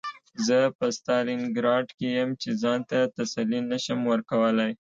زه په ستالینګراډ کې یم چې ځان ته تسلي نشم ورکولی